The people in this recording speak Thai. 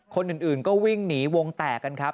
คนอื่นก็วิ่งหนีวงแตกกันครับ